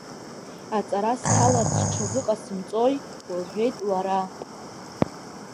Аҵара сҭаларц сҽазыҟасымҵои, — лҳәеит лара.